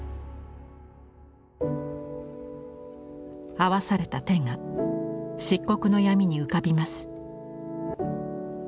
合わされた手が漆黒の闇に浮かびます。